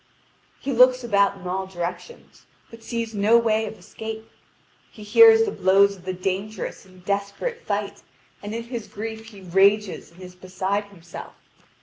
He looks about in all directions, but sees no way of escape. He hears the blows of the dangerous and desperate fight, and in his grief he rages and is beside himself.